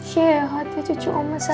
syekh hati cucu oma sayang